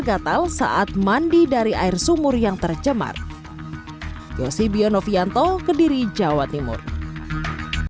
jawabannya kita akan suplai kebutuhan dari warga